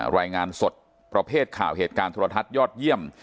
รายงานสดประเภทข่าวเหตุการณ์โทรทัศน์ยอดเยี่ยม